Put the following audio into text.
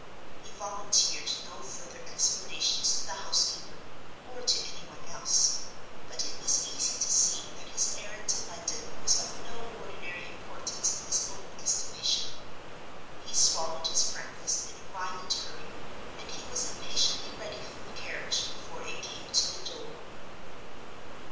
He volunteered no further explanations to the housekeeper or to any one else, but it was easy to see that his errand to London was of no ordinary importance in his own estimation. He swallowed his breakfast in a violent hurry, and he was impatiently ready for the carriage before it came to the door.